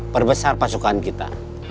perbesar pasukan kita